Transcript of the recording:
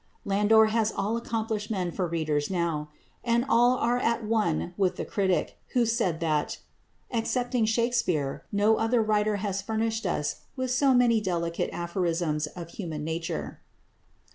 Landor has all accomplished men for readers now. And all are at one with the critic who said that, "excepting Shakspere, no other writer has furnished us with so many delicate aphorisms of human nature."